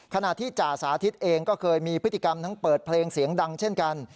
ขณะที่จ่าสาธิตเองก็เคยมีพฤติกรรมทั้งเปิดเพลงเสียงดังเช่นกัน